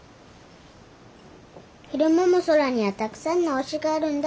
昼間も空にはたくさんの星があるんだ。